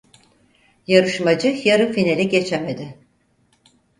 Yarışmacı yarı finali geçemedi.